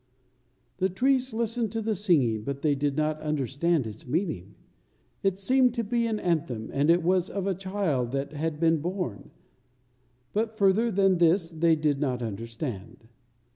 The trees listened to the singing, but they did not understand its meaning: it seemed to be an anthem, and it was of a Child that had been born; but further than this they did not understand.